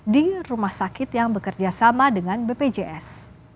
di rumah sakit yang bekerja sama dengan bpjs